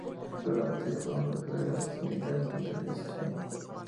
Tras la batalla fue uno de los delegados militares ante el Sejm.